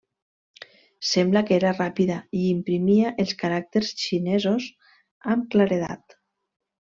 Sembla que era ràpida i imprimia els caràcters xinesos amb claredat.